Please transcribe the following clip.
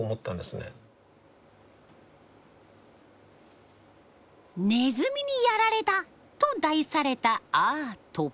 「ねずみにやられた！」と題されたアート。